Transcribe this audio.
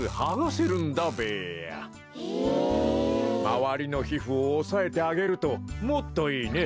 まわりのひふをおさえてあげるともっといいね。